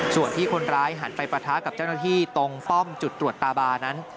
ส่วนที่คนร้ายหันไปปะทะกับเจ้าหน้าที่ตรงป้อมจุดตรวจตาบานั้น